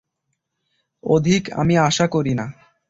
অধিক আমি আশা করি না।